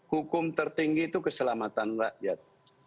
hukum tertinggi itu keselamatan rakyat